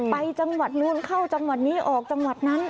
ไปจังหวัดนู้นเข้าจังหวัดนี้ออกจังหวัดนั้น